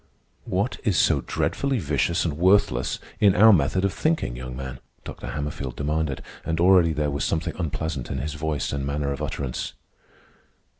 "What is so dreadfully vicious and worthless in our method of thinking, young man?" Dr. Hammerfield demanded, and already there was something unpleasant in his voice and manner of utterance.